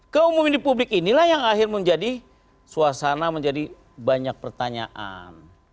keumuman di publik inilah yang akhir menjadi suasana menjadi banyak pertanyaan